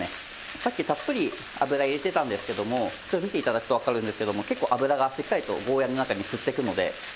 さっきたっぷり油入れてたんですけどもちょっと見て頂くとわかるんですけども結構油がしっかりとゴーヤーの中に吸っていくので。